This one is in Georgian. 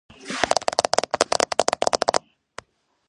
დაწყებითი და საშუალო განათლება მიიღო სკოპიეში.